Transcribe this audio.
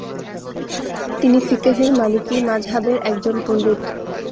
তিনি ফিকহের মালিকি মাজহাবের একজন পণ্ডিত।